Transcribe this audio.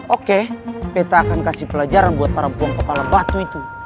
oke peta akan kasih pelajaran buat para buang kepala batu itu